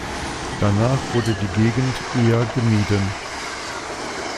Danach wurde die Gegend eher gemieden.